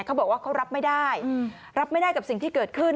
เขาบอกว่าเขารับไม่ได้รับไม่ได้กับสิ่งที่เกิดขึ้น